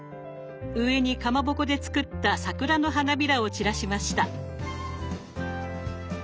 上にかまぼこで作った桜の花びらを散らしました。